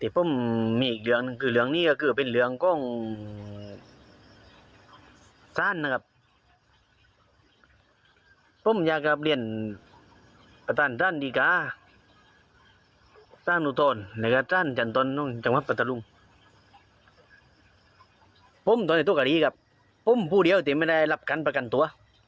ผมหูหรือเหล้ามันจะหลับกันเป็นประกันตัว